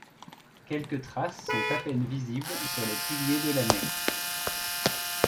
Quelques traces sont à peine visibles sur les piliers de la nef.